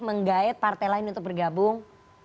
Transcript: menggait partai lain untuk bergabung